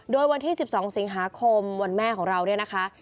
โดยวันที่๑๒สิงหาคมวันแม่ของเราเนี่ยนะคะ